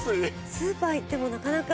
スーパー行ってもなかなか高いですよ